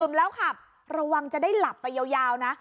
แล้วขับระวังจะได้หลับไปยาวนะ